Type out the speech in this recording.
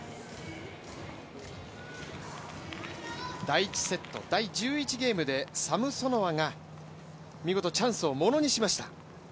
第１セット、第１１ゲームでサムソノワが見事チャンスをものにしました。